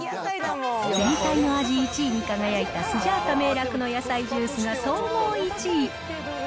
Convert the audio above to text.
全体の味１位に輝いた、スジャータめいらくの野菜ジュースが総合１位。